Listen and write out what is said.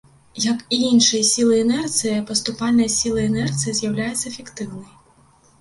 Як і іншыя сілы інерцыі, паступальная сіла інерцыі з'яўляецца фіктыўнай.